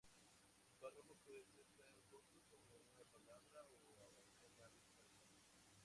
Un párrafo puede ser tan corto como una palabra o abarcar varias páginas.